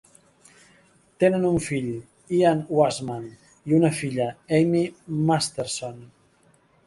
Tenen un fill, Ian Washam, i una filla, Amy Masterson.